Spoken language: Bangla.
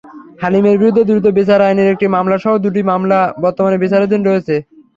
হালিমের বিরুদ্ধে দ্রুত বিচার আইনের একটি মামলাসহ দুটি মামলা বর্তমানে বিচারাধীন রয়েছে।